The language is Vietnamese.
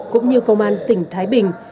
cũng như công an tỉnh thái bình